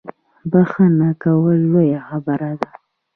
بخښنه کول لویه خبره ده